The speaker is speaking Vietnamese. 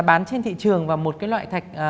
bán trên thị trường và một loại thạch